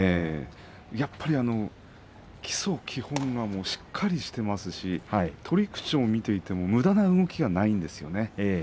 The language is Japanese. やっぱり基礎、基本がしっかりしていますし取り口を見ていてもむだな動きがないんですよね。